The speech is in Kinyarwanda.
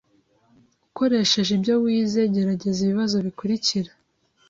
Ukoresheje ibyo wize gerageza ibibazo bikurikira